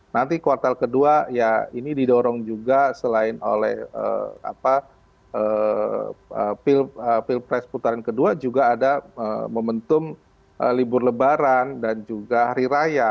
nanti kuartal kedua ya ini didorong juga selain oleh pilpres putaran kedua juga ada momentum libur lebaran dan juga hari raya